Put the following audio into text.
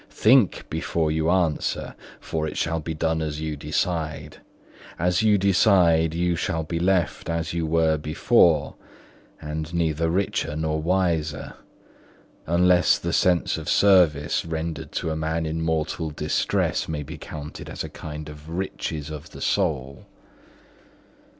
Think before you answer, for it shall be done as you decide. As you decide, you shall be left as you were before, and neither richer nor wiser, unless the sense of service rendered to a man in mortal distress may be counted as a kind of riches of the soul.